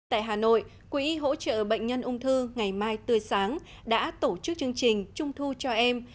tại hà nội quỹ hỗ trợ bệnh nhân ung thư ngày mai tươi sáng đã tổ chức chương trình trung thu cho em